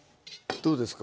どうですか？